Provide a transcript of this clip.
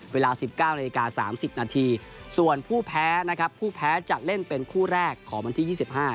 เวลาสิบเก้านาฬิกาสามสิบนาทีส่วนผู้แพ้นะครับผู้แพ้จัดเล่นเป็นคู่แรกของวันที่ยี่สิบห้า